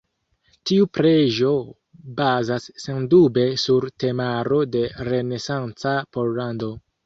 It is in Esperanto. Tiu preĝo bazas sendube sur temaro de renesanca Pollando.